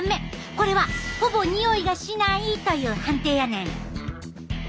これは「ほぼにおいがしない」という判定やねん。